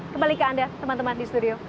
kembali ke anda teman teman di studio